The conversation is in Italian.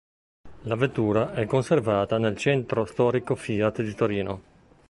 La vettura è conservata nel Centro Storico Fiat di Torino.